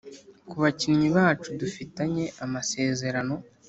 ku bakinnyi bacu dufitanye amasezerano